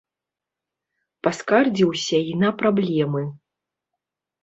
Паскардзіўся і на праблемы.